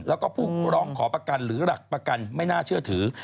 แล้วก็ผู้ร้องขอประกันหรือหลักประกันไม่น่าเชื่อถือ